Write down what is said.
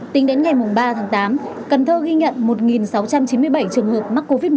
tính đến ngày ba tháng tám cần thơ ghi nhận một sáu trăm chín mươi bảy trường hợp mắc covid một mươi